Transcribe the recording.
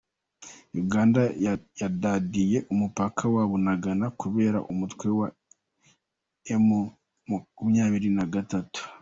Uganda yadadiye umupaka wa Bunagana kubera umutwe wa emu makumyabiri nagatatu